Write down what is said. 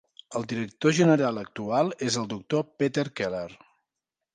El director general actual és el Doctor Peter Keller.